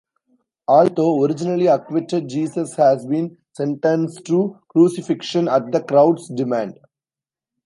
Although originally acquitted, Jesus has been sentenced to crucifixion at the crowd's demand.